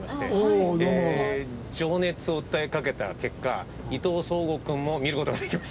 情熱を訴えかけた結果伊藤壮吾君も見る事ができました。